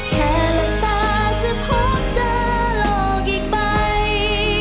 แค่หลังตาจะพบเจ้าลองอีกไป